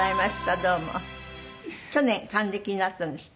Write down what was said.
去年還暦になったんですって？